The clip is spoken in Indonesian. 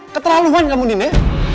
keterlaluan kamu nino